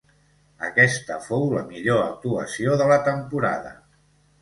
Aquesta fou la millor actuació de la temporada.